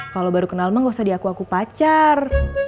kalau baru kenal mah gak usah diaku aku pacar